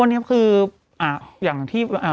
วันนี้ก็ว่านะ